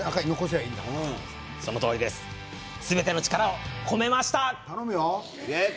すべての力を込めました。